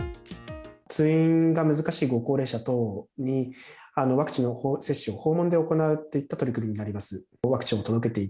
通院が難しいご高齢者等に、ワクチン接種を訪問で行うといった取り組みとなります。